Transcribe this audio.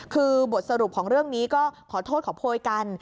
คือบทสรุปของเรื่องนี้ก็ขอโทษขอโพยกัน